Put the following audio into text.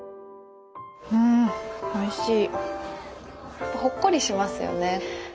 んおいしい。